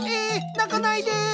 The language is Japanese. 泣かないで！